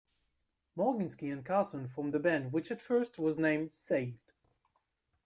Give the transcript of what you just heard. Morginsky and Carson formed a band which at first was named "Saved".